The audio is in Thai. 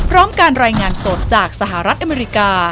พร้อมการรายงานสดจากสหรัฐอเมริกา